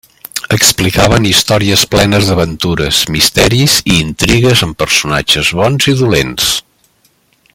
Explicaven històries plenes d'aventures, misteris i intrigues amb personatges bons i dolents.